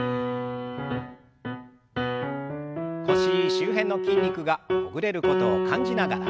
腰周辺の筋肉がほぐれることを感じながら。